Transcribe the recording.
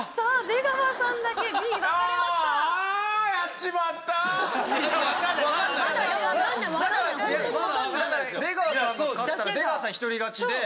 出川さんが勝ったら出川さん一人勝ちで。